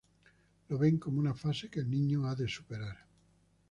Lo ven como una fase que el niño ha de superar.